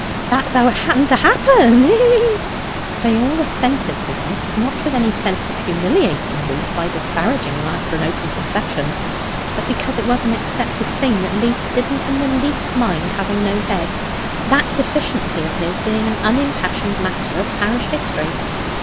that's how it happened to happen, hee hee!" They all assented to this, not with any sense of humiliating Leaf by disparaging him after an open confession, but because it was an accepted thing that Leaf didn't in the least mind having no head, that deficiency of his being an unimpassioned matter of parish history.